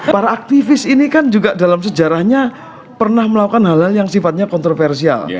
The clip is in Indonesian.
para aktivis ini kan juga dalam sejarahnya pernah melakukan hal hal yang sifatnya kontroversial